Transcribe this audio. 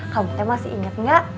kamu teh masih inget gak